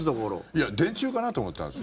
いや電柱かなと思ったんです。